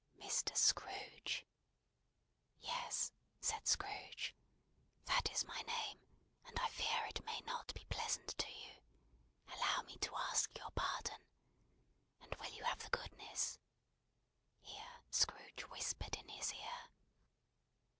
"Mr. Scrooge?" "Yes," said Scrooge. "That is my name, and I fear it may not be pleasant to you. Allow me to ask your pardon. And will you have the goodness" here Scrooge whispered in his ear.